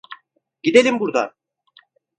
Gidelim buradan!